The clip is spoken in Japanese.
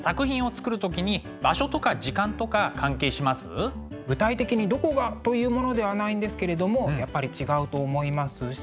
ちなみに井上さんは具体的にどこがというものではないんですけれどもやっぱり違うと思いますし。